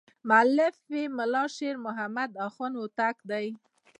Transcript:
مؤلف یې ملا شیر محمد اخوند هوتکی دی.